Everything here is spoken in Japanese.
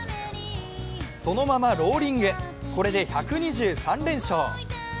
そのままローリング、これで１２３連勝。